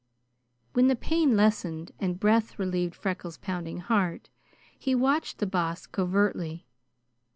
When the pain lessened and breath relieved Freckles' pounding heart, he watched the Boss covertly.